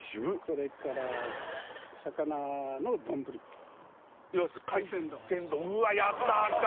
それから海鮮丼うわっやったきた！